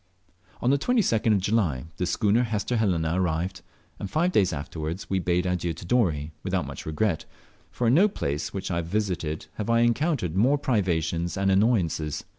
On the 22d of July the schooner Hester Helena arrived, and five days afterwards we bade adieu to Dorey, without much regret, for in no place which I have visited have I encountered more privations and annoyances.